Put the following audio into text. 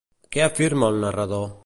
Què afirma el narrador?